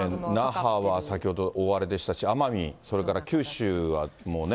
那覇は先ほど大荒れでしたし、奄美、それから九州は北。